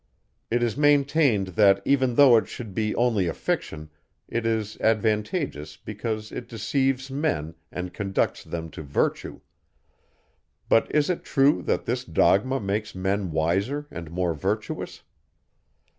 It is maintained, that even though it should be only a fiction, it is advantageous, because it deceives men, and conducts them to virtue. But is it true, that this dogma makes men wiser and more virtuous?